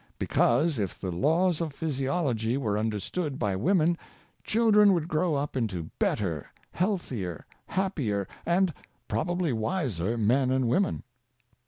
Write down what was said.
Be cause, if the laws of physiology were understood by women, children would grow up into better, healthier, happier and probably wiser men and women.